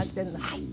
はい。